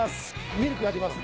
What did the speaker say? ミルクあげます